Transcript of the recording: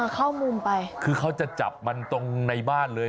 เข้ามุมไปคือเขาจะจับมันตรงในบ้านเลย